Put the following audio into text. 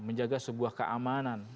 menjaga sebuah keamanan